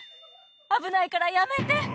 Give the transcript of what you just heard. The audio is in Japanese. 危ないからやめて！